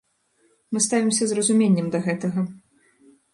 Мы ставімся з разуменнем да гэтага.